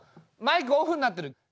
マイクオフになってる。